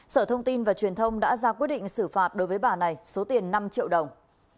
sở thông tin và truyền thông đã ra quyết định xử phạt đối với bà này số tiền năm triệu đồng